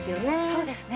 そうですね。